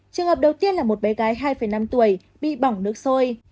trường hợp đầu tiên là một bé gái hai năm tuổi bị bỏng nước sôi